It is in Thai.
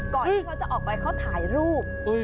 ก่อนที่เขาจะออกไปเขาถ่ายรูป